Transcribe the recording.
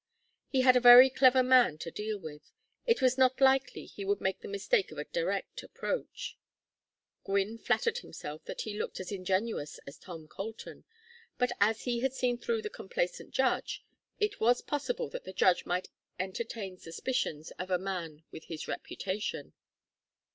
He had a very clever man to deal with; it was not likely he would make the mistake of a direct approach. Gwynne flattered himself that he looked as ingenuous as Tom Colton, but as he had seen through the complacent judge, it was possible that the judge might entertain suspicions of a man with his reputation.